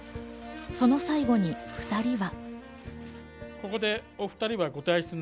その最後に２人は。